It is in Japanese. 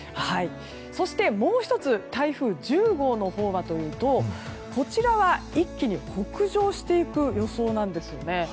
そして、もう１つ台風１０号のほうはというとこちらは一気に北上していく予想なんですよね。